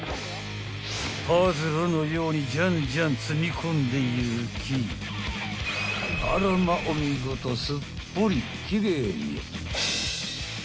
［パズルのようにジャンジャン積み込んでいきあらまお見事すっぽり奇麗に］